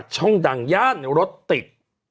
ขออีกทีอ่านอีกที